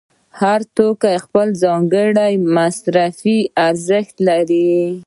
هر توکی خپل ځانګړی مصرفي ارزښت لري